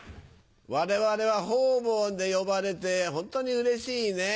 我々は方々で呼ばれてホントにうれしいねぇ！